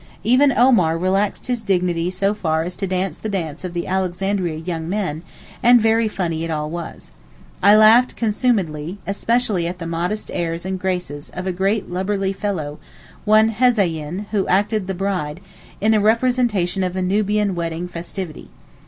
Even Omar relaxed his dignity so far as to dance the dance of the Alexandria young men; and very funny it all was. I laughed consumedly; especially at the modest airs and graces of a great lubberly fellow—one Hezayin, who acted the bride—in a representation of a Nubian wedding festivity.